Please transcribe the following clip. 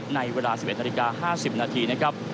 ในเวลา๑๑นาฬิกา๕๐นาทีนะครับ